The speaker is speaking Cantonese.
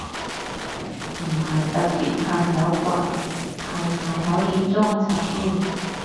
唔係特別恨有棍，係咪可以裝拆先？